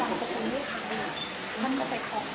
สวัสดีครับสวัสดีครับ